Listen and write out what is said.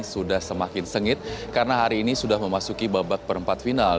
sudah semakin sengit karena hari ini sudah memasuki babak perempat final